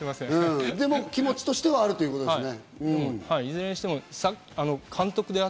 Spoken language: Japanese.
でも気持ちとしてはあるということですね。